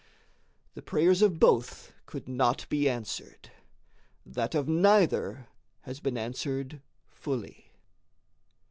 The prayers of both could not be answered that of neither has been answered fully.